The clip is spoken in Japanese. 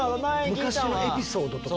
昔のエピソードとか。